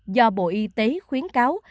do bộ y tế khuyến cáo